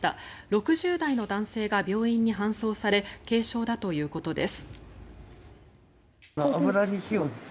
６０代の男性が病院に搬送され軽傷だということです。